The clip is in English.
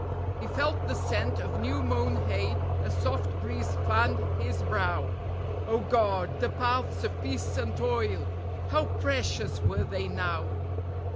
He felt the scent of new mown hay, a soft breeze fanned his brow; O God! the paths of peace and toil! How precious were they now!